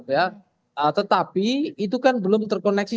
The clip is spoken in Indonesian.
ya tetapi itu kan belum terkoneksi